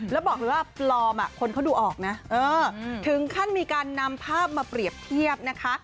แล้วบอกเลยว่าปลอมคนเขาดูออกนะถึงขั้นมีการนำภาพมาเปรียบเทียบนะคะ